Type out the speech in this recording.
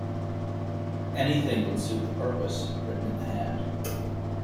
Anything would suit the purpose, written in the hand.